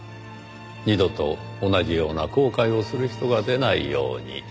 二度と同じような後悔をする人が出ないように。